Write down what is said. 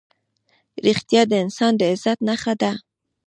رښتیا د انسان د عزت نښه ده.